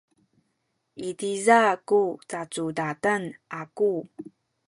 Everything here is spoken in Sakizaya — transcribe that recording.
i tiza ku cacudadan aku.